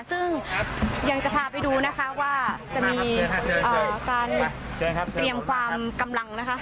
ซึ่งยังจะพาไปดูนะคะว่าจะมีการเตรียมความกำลังนะคะ